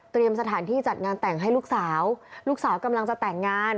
สถานที่จัดงานแต่งให้ลูกสาวลูกสาวกำลังจะแต่งงาน